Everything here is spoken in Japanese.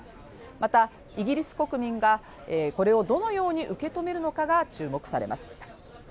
また、イギリス国民がこれをどのように受け取るのかが注目されます。